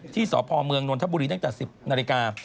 สพเมืองนนทบุรีตั้งแต่๑๐นาฬิกา